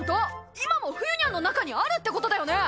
今もフユニャンの中にあるってことだよね？